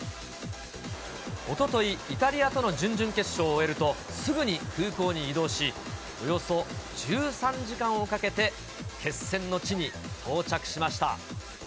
おととい、イタリアとの準々決勝を終えると、すぐに空港に移動し、およそ１３時間をかけて決戦の地に到着しました。